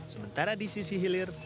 sementara di sisi hilir